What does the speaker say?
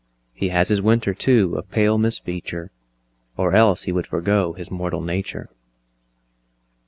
He has his Winter too of pale misfeature, Or else he would forego his mortal nature.